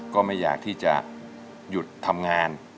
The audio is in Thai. ก็ไม่อยากที่จะหยุดทำงาน